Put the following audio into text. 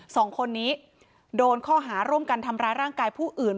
สองคนนี้โดนข้อหาร่วมกันทำร้ายร่างกายผู้อื่น